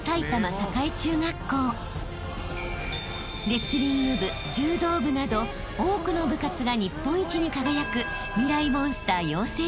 ［レスリング部柔道部など多くの部活が日本一に輝く］